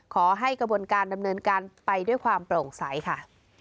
ขอให้กระบวนการดำเนินการไปด้วยความโปร่งใสค่ะ